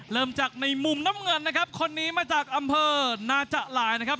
เริ่มจากในมุมน้ำเงินนะครับคนนี้มาจากอำเภอนาจะหลายนะครับ